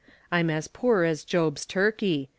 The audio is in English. I'm as poor as Job's turkey.